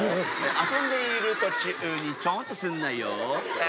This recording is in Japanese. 遊んでいる途中にちょんってすんなよああ